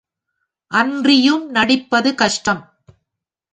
அன்றியும் நடிப்பதும் கஷ்டம்.